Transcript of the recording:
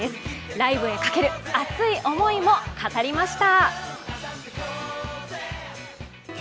ライブへかける熱い思いも語りました。